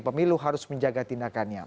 pemilu harus menjaga tindakannya